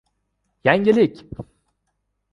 Yangilik!